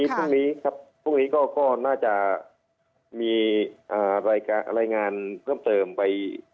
พรุ่งนี้ครับพรุ่งนี้ก็น่าจะมีรายงานเพิ่มเติมไป